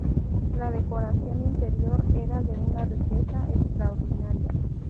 La decoración interior era de una riqueza extraordinaria.